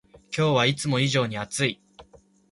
今日はいつも以上に暑い